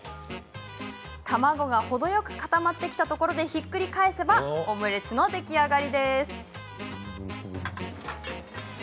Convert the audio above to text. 卵が程よく固まってきたところでひっくり返せばオムレツの出来上がり。